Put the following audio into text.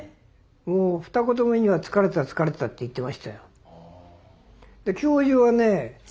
もう二言目には疲れた疲れたって言ってましたよ。